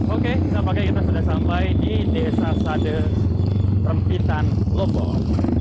oke kita sudah sampai di desa sade rembitan lombok